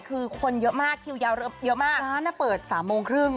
คือคนเยอะมากคิวยาวเยอะมากร้านเปิด๓โมงครึ่ง